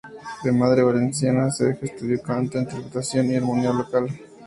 De madre Valenciana, Sergio estudió canto, interpretación y armonía vocal.